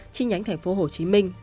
chi nhánh thành phố hồ chí minh